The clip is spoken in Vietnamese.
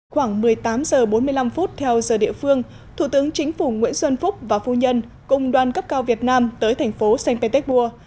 khoảng một mươi tám h bốn mươi năm theo giờ địa phương thủ tướng chính phủ nguyễn xuân phúc và phu nhân cùng đoàn cấp cao việt nam tới thành phố saint petersburg